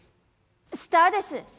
スターです。